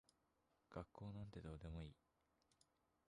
学校なんてどうでもいい。